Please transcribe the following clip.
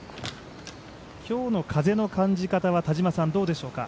今日の風の感じ方はどうでしょうか。